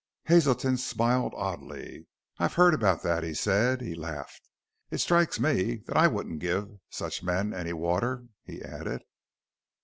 Hazelton smiled oddly. "I've heard about that," he said. He laughed. "It strikes me that I wouldn't give such men any water," he added.